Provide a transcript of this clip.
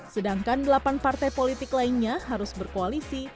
sedangkan delapan partai politik lainnya harus berkoalisi